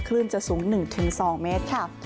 คลื่นจะสูง๑๒เมตรค่ะ